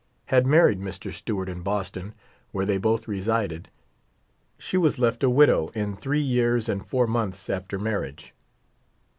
had married Mr. Stewart in Boston, where they both resided, she was left a widow in three years and four months after marriage.